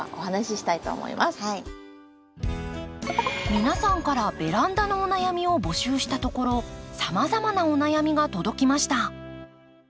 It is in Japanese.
皆さんからベランダのお悩みを募集したところさまざまなお悩みが届きました。